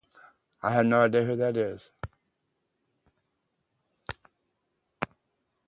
Shuma-Gorath was first mentioned in a short story by author Robert E. Howard.